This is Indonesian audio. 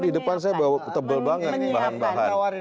itu di depan saya bawa tebel banget bahan bahan